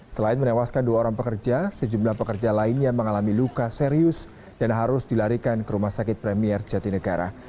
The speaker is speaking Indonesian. selain menewaskan dua orang pekerja sejumlah pekerja lainnya mengalami luka serius dan harus dilarikan ke rumah sakit premier jatinegara